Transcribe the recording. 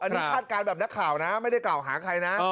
อันนี้คาดการณ์แบบนักข่าวนะไม่ได้กล่าวหาใครนะ